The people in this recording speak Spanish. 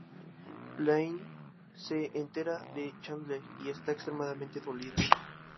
Blaine se entera de Chandler y está extremadamente dolida.